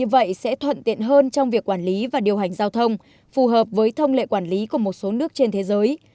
như vậy sẽ thuận tiện hơn trong việc quản lý và điều hành giao thông phù hợp với thông lệ quản lý của một số nước trên thế giới